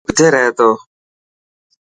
تو ڪٿي رهي ٿو.